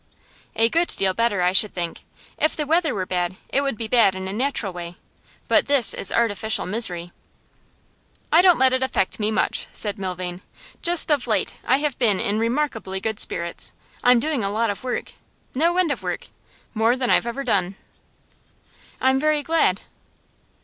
'A good deal better, I should think. If the weather were bad, it would be bad in a natural way; but this is artificial misery.' 'I don't let it affect me much,' said Milvain. 'Just of late I have been in remarkably good spirits. I'm doing a lot of work. No end of work more than I've ever done.' 'I am very glad.